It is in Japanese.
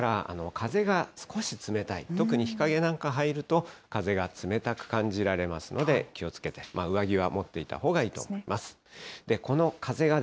ですから、風が少し冷たい、特に日陰なんか入ると、風が冷たく感じられますので、気をつけて、上着は持っていたほうがいいと思います。